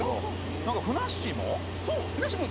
そうふなっしーも。